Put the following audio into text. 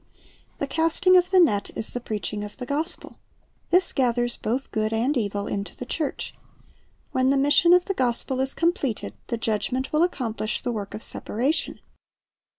The casting of the net is the preaching of the gospel. This gathers both good and evil into the church. When the mission of the gospel is completed, the Judgment will accomplish the work of separation.